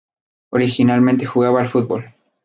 Originalmente jugaba al fútbol.